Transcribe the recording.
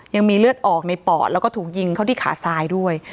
ยังมีเลือดออกในปอดแล้วก็ถูกยิงเข้าที่ขาซ้ายด้วย